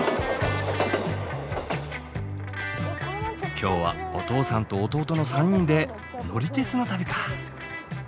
今日はお父さんと弟の３人で乗り鉄の旅か。